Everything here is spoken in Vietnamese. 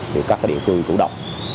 thì các địa phương chủ động